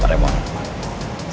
biar saya yang mengantar ibu nawang